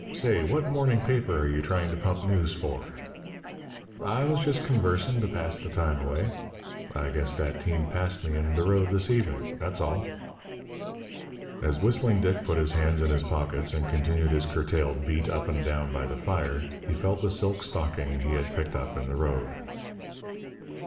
Say, what morning paper are you trying to pump news for?" "I was just conversin' to pass de time away. I guess dat team passed me in de road dis evenin'. Dat's all." As Whistling Dick put his hands in his pockets and continued his curtailed beat up and down by the fire, he felt the silk stocking he had picked up in the road.